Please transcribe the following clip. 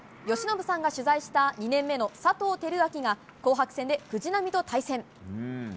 由伸さんが取材した２年目の佐藤輝明が紅白戦で藤浪と対戦。